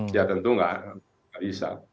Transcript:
ya tentu tidak bisa